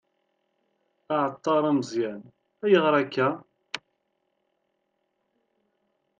Aεeṭṭar ameẓyan: Ayγer akka?